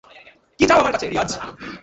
কী চাও আমার কাছে, রিয়াজ?